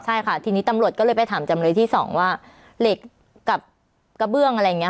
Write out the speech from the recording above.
ใช่ค่ะทีนี้ตำรวจก็เลยไปถามจำเลยที่สองว่าเหล็กกับกระเบื้องอะไรอย่างนี้